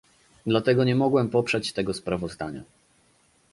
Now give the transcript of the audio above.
Dlatego nie mogłem poprzeć tego sprawozdania